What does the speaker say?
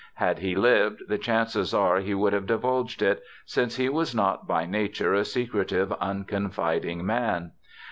Had he lived, the chances are he would have divulged it, since he was not by nature a secretive, unconfiding man.